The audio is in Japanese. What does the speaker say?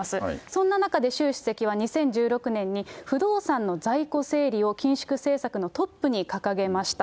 そんな中で、習主席は２０１６年に、不動産の在庫整理を緊縮政策のトップに掲げました。